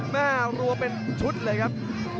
แม่รวมเป็นชุดเลยนะครับ